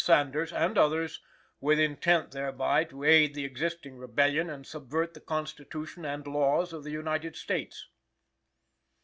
Sanders and others, with intent thereby to aid the existing rebellion and subvert the constitution and laws of the United States."